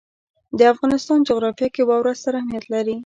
د افغانستان جغرافیه کې واوره ستر اهمیت لري.